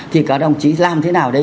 thì các đồng chí làm thế nào đấy